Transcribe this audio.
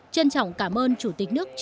trân trọng cảm ơn chủ tịch nước